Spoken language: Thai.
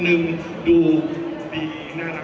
เสียงปลดมือจังกัน